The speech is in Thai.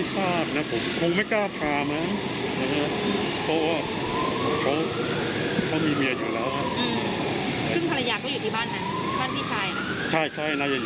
จะยืนยันว่าที่ผ่านมาเขามีพฤติกรรมแบบนี้ไหม